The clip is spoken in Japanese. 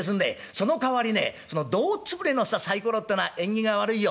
そのかわりねその胴潰れのサイコロってのは縁起が悪いよ。